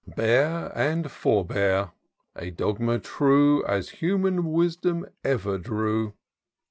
^^ Bear Sind forbear — a dogma true As human wisdom ever drew.